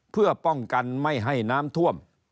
เพื่อป้องกันไม่ให้น้ำท่วม